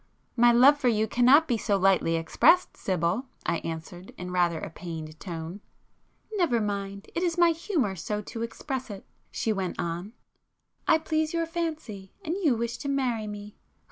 "My love for you cannot be so lightly expressed, Sibyl!" I answered in rather a pained tone. "Never mind,—it is my humour so to express it"—she went on—"I please your fancy, and you wish to marry me.